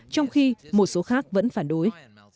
trong khi một số khác vẫn phản đối